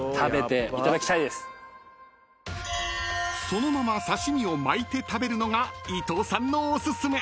［そのまま刺し身を巻いて食べるのが伊藤さんのお薦め］